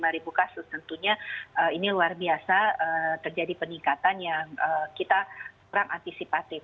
lima ribu kasus tentunya ini luar biasa terjadi peningkatan yang kita kurang antisipatif